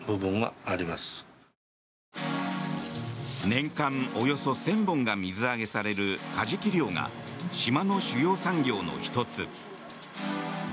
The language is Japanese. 年間およそ１０００本が水揚げされるカジキ漁が島の主要産業の１つ。